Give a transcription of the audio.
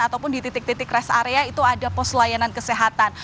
ataupun di titik titik rest area itu ada pos layanan kesehatan